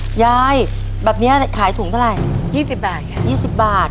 ค่ะยายแบบเนี้ยขายถุงเท่าไรยี่สิบบาทค่ะยี่สิบบาท